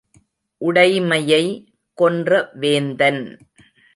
உடைமையை, Kondrai Vendhan.